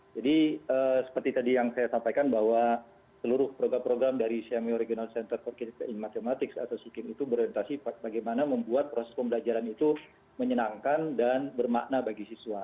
jadi seperti tadi yang saya sampaikan bahwa seluruh program program dari semioregional center for kids in mathematics atau sikim itu berorientasi bagaimana membuat proses pembelajaran itu menyenangkan dan bermakna bagi siswa